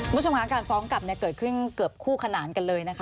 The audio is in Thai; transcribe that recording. คุณผู้ชมค่ะการฟ้องกลับเกิดขึ้นเกือบคู่ขนานกันเลยนะคะ